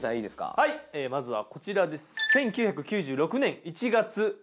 はいまずはこちらです。